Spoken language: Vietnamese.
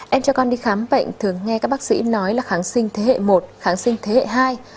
em cho con đi khám bệnh thường nghe các bác sĩ nói là kháng sinh thế hệ một kháng sinh thế hệ hai